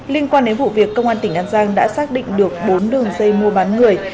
liên quan đến vụ việc công an tỉnh an giang đã xác định được bốn đường dây mua bán người